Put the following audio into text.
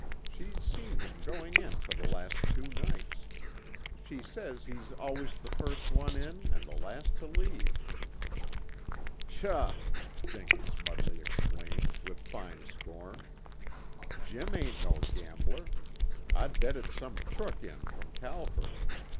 She's seen him going in for the last two nights. She says he's always the first one in and the last to leave." "Psha!" Jenkins Mudley exclaimed, with fine scorn. "Jim ain't no gambler. I'd bet it's some crook in from Calford.